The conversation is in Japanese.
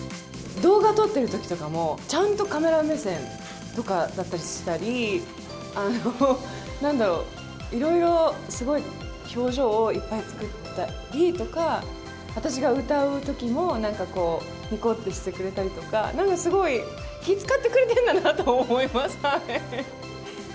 動画撮ってるときとかも、ちゃんとカメラ目線とかだったりしたり、なんだろう、いろいろすごい表情をいっぱい作ったりとか、私が歌うときも、なんかこう、にこってしてくれたりとか、なんかすごい、気、遣ってくれてんだなと思います。